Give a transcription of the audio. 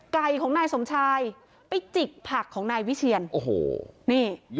ไก่ของนายสมชายไปจิกผักของนายวิเทียน